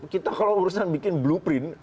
kita kalau urusan bikin blueprint